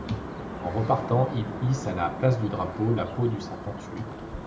En repartant ils hissent, à la place du drapeau, la peau du serpent tué.